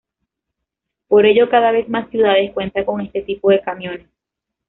Por ello, cada vez más ciudades cuentan con este tipo de camiones.